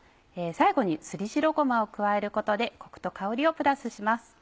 最後にすり白ごまを加えることでコクと香りをプラスします。